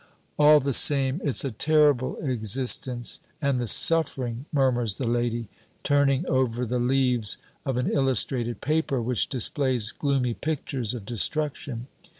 "All the same, it's a terrible existence and the suffering!" murmurs the lady, turning over the leaves of an illustrated paper which displays gloomy pictures of destruction.